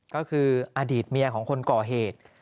ก็คืออดีตเมียของคนก่อเหตุ